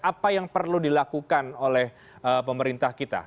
apa yang perlu dilakukan oleh pemerintah kita